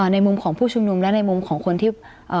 ในมุมของผู้ชุมนุมและในมุมของคนที่